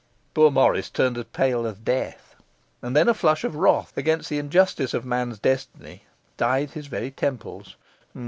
Poor Morris turned as pale as death, and then a flush of wrath against the injustice of man's destiny dyed his very temples.